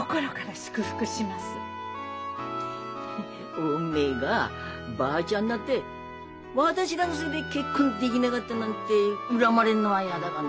おめえがばあちゃんになって私らのせいで結婚できなかったなんて恨まれるのは嫌だがんない。